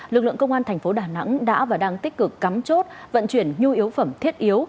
lực lượng công an thành phố đà nẵng đã và đang tích cực cắm chốt vận chuyển nhu yếu phẩm thiết yếu